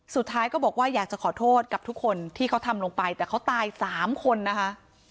สุดท้ายก็บอกว่าอยากจะขอโทษกับทุกคนที่เขาทำลงไปแต่เขาตายสามคนนะคะ